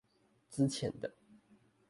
資淺的